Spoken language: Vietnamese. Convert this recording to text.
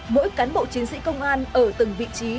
mỗi cán bộ chiến sĩ công an ở từng vị trí